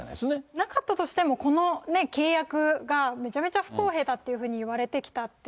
なかったとしても、この契約がめちゃめちゃ不平等と言われてきたっていう。